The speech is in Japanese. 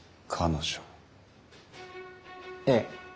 ええ。